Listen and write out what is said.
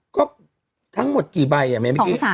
ก็ทั้งหมดกี่ใบอ่ะแม้ไม่มีกี่